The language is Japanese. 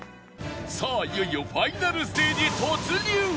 さあいよいよファイナルステージ突入！